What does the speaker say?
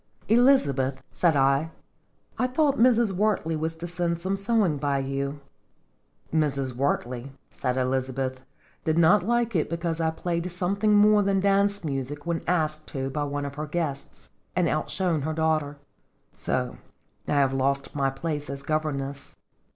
" Elizabeth," said I, " I thought Mrs. Wert ley was to send some sewing by you." "Mrs. Wertley," said Elizabeth, "did not like it because I played something more than dance music when asked to by one of her guests, and outshone her daughter. So I have lost my place as governess."